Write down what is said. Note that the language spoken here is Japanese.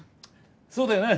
そうだよな？